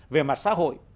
về mặt xã hội